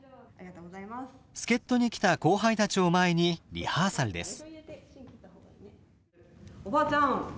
助っとに来た後輩たちを前にリハーサルです。